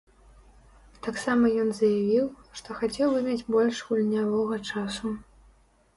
Таксама ён заявіў, што хацеў бы мець больш гульнявога часу.